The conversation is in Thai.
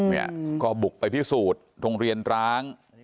เนี่ยก็บุกไปพิสูจน์โรงเรียนร้าง